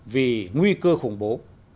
vì nguy cơ khủng bố